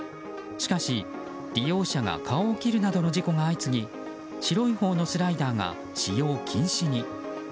しかし、利用者が顔を切るなどの事故が相次ぎ白いほうのスライダーが使用禁止に。